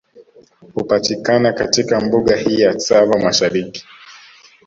Hupatikana katika Mbuga hii ya Tsavo Mashariki